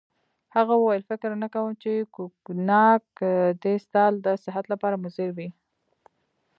هغه وویل: فکر نه کوم چي کوګناک دي ستا د صحت لپاره مضر وي.